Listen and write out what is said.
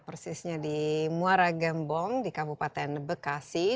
persisnya di muara gembong di kabupaten bekasi